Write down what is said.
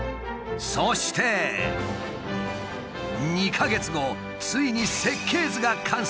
そして２か月後ついに設計図が完成した。